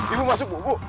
ibu masuk bu